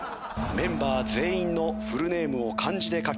メンバー全員のフルネームを漢字で書け。